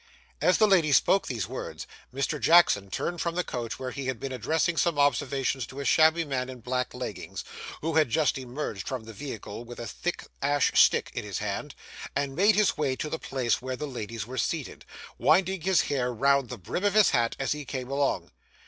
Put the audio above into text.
As the lady spoke these words, Mr. Jackson turned from the coach where he had been addressing some observations to a shabby man in black leggings, who had just emerged from the vehicle with a thick ash stick in his hand, and made his way to the place where the ladies were seated; winding his hair round the brim of his hat, as he came along.